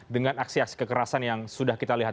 dengan aksi aksi kekerasan yang sudah kita lihat